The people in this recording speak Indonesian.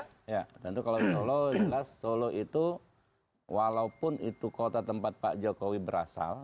ya tentu kalau di solo jelas solo itu walaupun itu kota tempat pak jokowi berasal